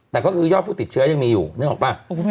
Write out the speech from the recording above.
แต่ก็คือยอดผู้ติดเชื้อยังมีอยู่นึกออกป่ะ